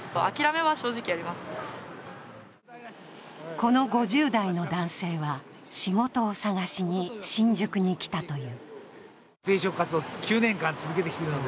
この５０代の男性は、仕事を探しに新宿に来たという。